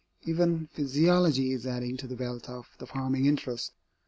Even physiology is adding to the wealth of the farming interest.